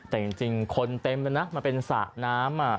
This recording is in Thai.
แต่จริงคนเต็มเลยนะมันเป็นสระน้ำ